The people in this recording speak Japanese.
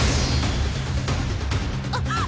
あっ！